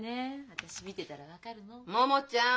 私見てたら分かるもん。